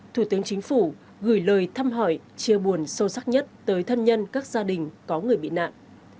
thủ tướng chính phủ gửi lời thăm hỏi chia buồn sâu sắc nhất tới thân nhân các gia đình có người bị nạn